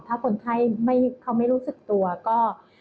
ถ้าคนไข้เขาไม่รู้สึกตัวก็